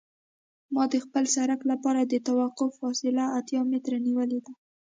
ما د خپل سرک لپاره د توقف فاصله اتیا متره نیولې ده